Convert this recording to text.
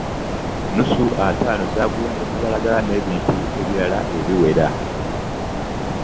Nnusu ataano zagulanga kabalagala nebintu ebiwera.